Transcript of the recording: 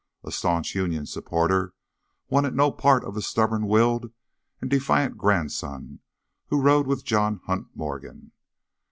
A staunch Union supporter wanted no part of a stubborn willed and defiant grandson who rode with John Hunt Morgan.